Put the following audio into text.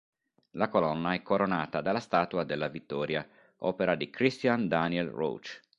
La colonna è coronata dalla statua della Vittoria, opera di Christian Daniel Rauch.